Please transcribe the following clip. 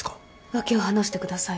訳を話してください。